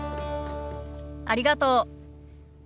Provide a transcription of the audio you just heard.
ありがとう。